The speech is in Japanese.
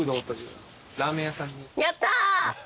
やった！